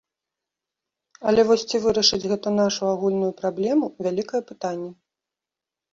Але вось ці вырашыць гэта нашу агульную праблему, вялікае пытанне.